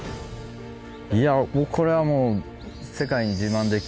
いやこれはもう。